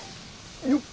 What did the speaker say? よっ！